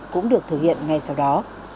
cũng được thực hiện ngay sau đó